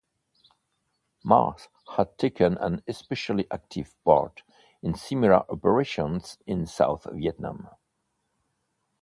"Mars" had taken an especially active part in similar operations in South Vietnam.